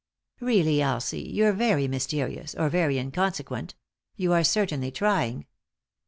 "Really, Elsie, you're very mysterious, or very inconsequent — you are certainly trying.